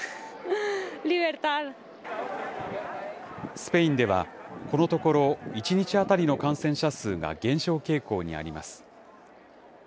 スペインでは、このところ１日当たりの感染者数が減少傾向にあります。